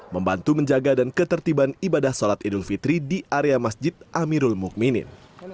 membantu menjaga dan ketertiban ibadah sholat idul fitri di area masjid amirul mukminin